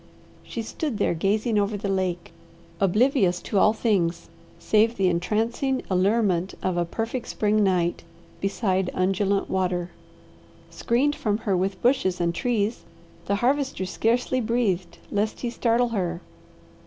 She stood there gazing over the lake, oblivious to all things save the entrancing allurement of a perfect spring night beside undulant water. Screened from her with bushes and trees the Harvester scarcely breathed lest he startle her.